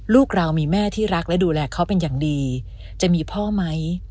ลูกเรามีแม่ที่รักและดูแลเขาเป็นอย่างดีจะมีพ่อไหม